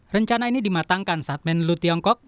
rencana ini dimatangkan saat menlu tiongkok